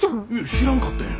知らんかったんや。